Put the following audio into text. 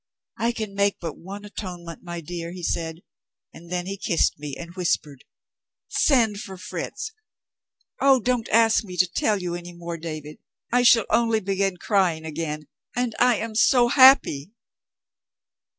'I can make but one atonement, my dear,' he said and then he kissed me, and whispered, 'Send for Fritz.' Oh, don't ask me to tell you any more, David; I shall only begin crying again and I am so happy!"